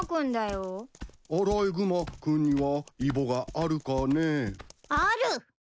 アライグマ君にはイボがあるかね？